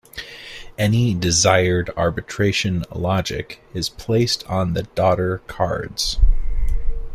Any desired arbitration logic is placed on the daughter cards.